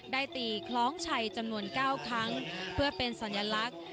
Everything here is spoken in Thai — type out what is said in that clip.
ตีคล้องชัยจำนวน๙ครั้งเพื่อเป็นสัญลักษณ์